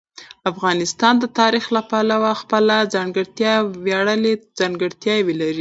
افغانستان د تاریخ له پلوه خپله ځانګړې ویاړلې ځانګړتیاوې لري.